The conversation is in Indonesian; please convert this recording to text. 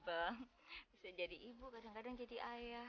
bisa jadi ibu kadang kadang jadi ayah